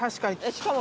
しかも。